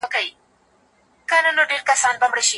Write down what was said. که ما پیسې لرلای نو ټولو ته به مې کباب اخیستی و.